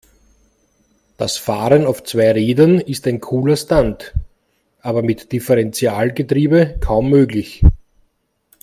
Das Fahren auf zwei Rädern ist ein cooler Stunt, aber mit Differentialgetriebe kaum möglich.